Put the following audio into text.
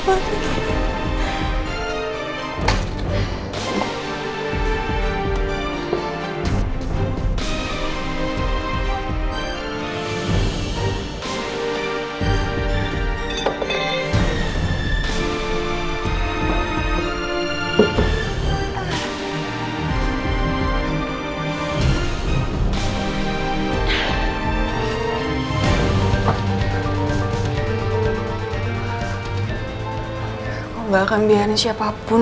aku gak akan biarin siapapun